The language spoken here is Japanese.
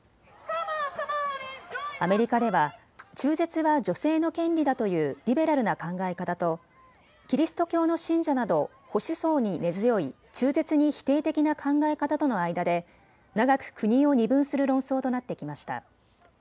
アメリカでは中絶は女性の権利だというリベラルな考え方とキリスト教の信者など保守層に根強い中絶に否定的な考え方との間で長く国を二分する論争となってきました。